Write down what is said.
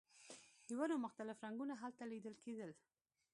د ونو مختلف رنګونه هلته لیدل کیږي